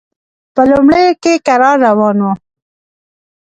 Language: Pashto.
په لومړیو کې کرار روان و.